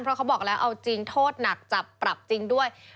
เพราะเขาบอกแล้วเอาจริงโทษหนักจับปรับจริงด้วย